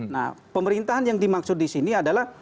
nah pemerintahan yang dimaksud disini adalah